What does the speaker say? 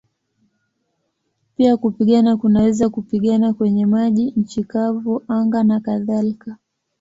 Pia kupigana kunaweza kupigana kwenye maji, nchi kavu, anga nakadhalika.